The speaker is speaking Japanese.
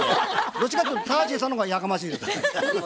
どっちかっていうとタージンさんの方がやかましいです。